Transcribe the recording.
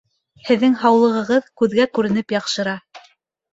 Һеҙҙең һаулығығыҙ күҙгә күренеп яҡшыра